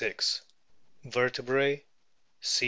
Vertebrae: C.